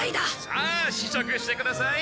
さあ試食してください。